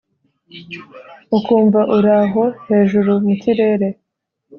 Ukumva uraho hejuru mukirere